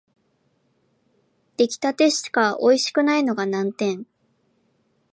出来立てしかおいしくないのが難点